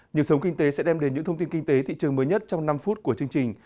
nhiệm sống kinh tế sẽ đem đến những thông tin kinh tế thị trường mới nhất trong năm phút của chương trình